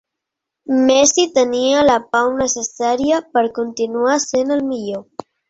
Messi tenia la pau necessària per continuar sent el millor.